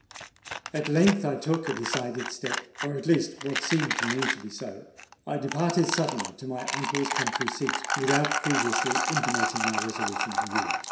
At length I took a decided step—or at least what seemed to me to be so: I departed suddenly to my uncle's country seat, without previously intimating my resolution to you.